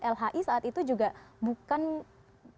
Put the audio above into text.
lhi saat itu juga bukan tidak berhasil